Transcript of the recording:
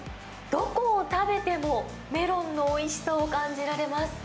どこを食べてもメロンのおいしさを感じられます。